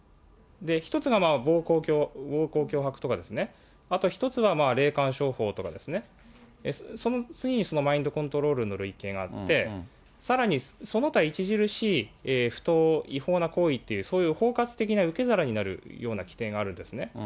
１つが暴行脅迫とかですね、あと１つは霊感商法とかですね、その次に、マインドコントロールの累計があって、さらにその他著しい不当、違法な行為という、そういう包括的な受け皿になるような規定があるんですね。